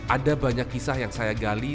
ada banyak kisah yang saya gali